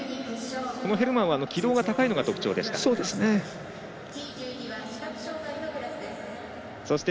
ヘルマンは軌道が高いのが特徴でした。